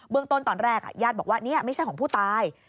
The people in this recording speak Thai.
เรื่องต้นตอนแรกญาติบอกว่านี่ไม่ใช่ของผู้ตาย